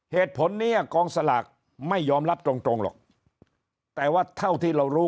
เหตุผลนี้กองสลากไม่ยอมรับตรงตรงหรอกแต่ว่าเท่าที่เรารู้